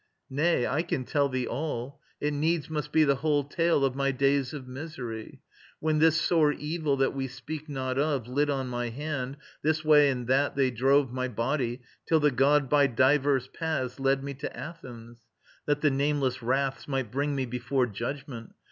Nay, I can tell thee all. It needs must be The whole tale of my days of misery. When this sore evil that we speak not of Lit on my hand, this way and that they drove My body, till the God by diverse paths Led me to Athens, that the nameless Wraths Might bring me before judgment.